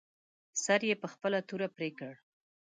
سر یې په خپله توره پرې کړ.